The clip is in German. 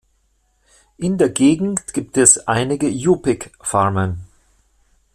In der Gegend gibt es einige U-Pick-Farmen.